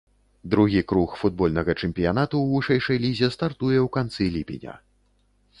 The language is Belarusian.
Другі круг футбольнага чэмпіянату ў вышэйшай лізе стартуе ў канцы ліпеня.